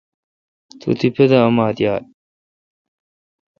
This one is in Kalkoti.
تو تیپہ دا اومات یالہ۔